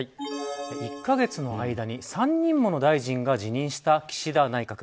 １カ月の間に３人もの大臣が辞任した岸田内閣。